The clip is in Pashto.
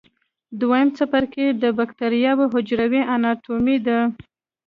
دویم څپرکی د بکټریاوي حجرو اناټومي ده.